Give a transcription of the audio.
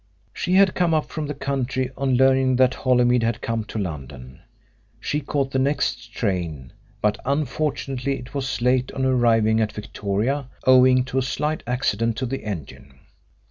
She had come up from the country on learning that Holymead had come to London. She caught the next train, but unfortunately it was late on arriving at Victoria owing to a slight accident to the engine.